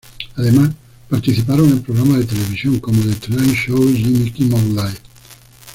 Además, participaron en programas de televisión como "The Tonight Show", "Jimmy Kimmel Live!